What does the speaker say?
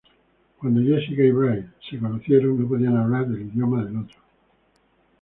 Cuando Jessica y Bryce se conocieron no podían hablar el idioma del otro.